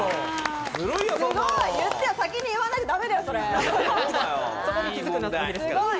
先に言わないとだめだよ、それ。